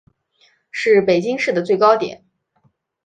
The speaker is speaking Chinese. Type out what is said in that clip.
是北京市的最高点。